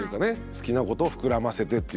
好きなことを膨らませてっていう。